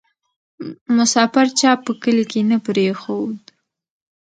ـ مسافر چا په کلي کې نه پرېښود